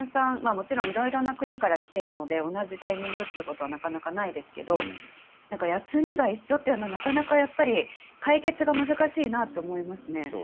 もちろん色々な国から来ているので同じタイミングというのはなかなかないですけど休みが一緒というのはなかなか解決が難しいなと思いますね。